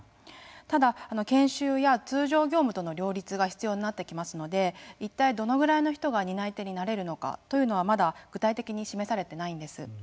ただ、研修や通常業務との両立が必要になってきますので一体どのぐらいの人が担い手になれるのかというのはまだ具体的に示されていないんです。